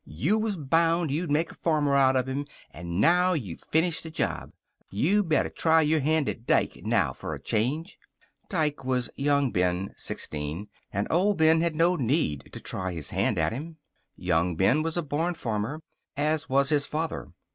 You was bound you'd make a farmer out of him, an' now you finished the job. You better try your hand at Dike now for a change." Dike was young Ben, sixteen; and old Ben had no need to try his hand at him. Young Ben was a born farmer, as was his father.